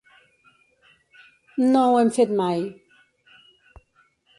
No ho hem fet mai.